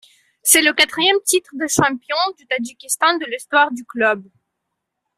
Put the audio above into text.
C'est le quatrième titre de champion du Tadjikistan de l'histoire du club.